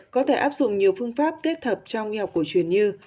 có thể áp dụng nhiều phương pháp kết hợp trong y học cổ truyền như